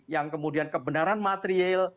yang kemudian kebenaran material